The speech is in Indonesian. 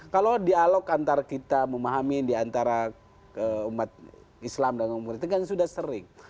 kalau dialog antara kita memahami diantara umat islam dan umat itu kan sudah sering